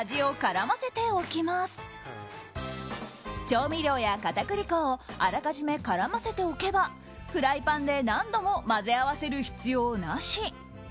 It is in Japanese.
調味料や片栗粉をあらかじめ絡ませておけばフライパンで何度も混ぜ合わせる必要なし。